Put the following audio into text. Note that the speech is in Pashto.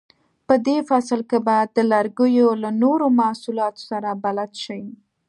په دې فصل کې به د لرګیو له نورو محصولاتو سره بلد شئ.